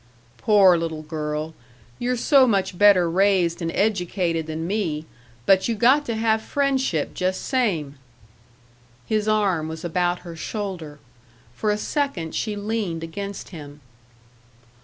"Poor little girl you're so much better raised and educated than me, but you got to have friendship jus' same." His arm was about her shoulder. For a second she leaned against him.